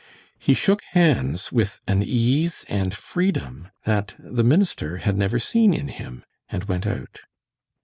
He shook hands with an ease and freedom that the minister had never seen in him, and went out.